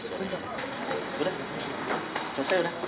sudah selesai sudah